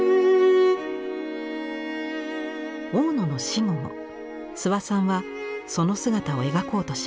大野の死後も諏訪さんはその姿を描こうとします。